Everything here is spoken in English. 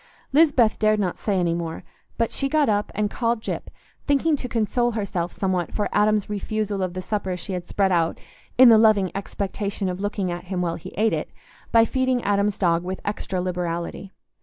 Lisbeth dared not say any more; but she got up and called Gyp, thinking to console herself somewhat for Adam's refusal of the supper she had spread out in the loving expectation of looking at him while he ate it, by feeding Adam's dog with extra liberality.